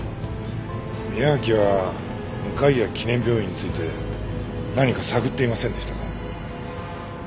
宮脇は向谷記念病院について何か探っていませんでしたか？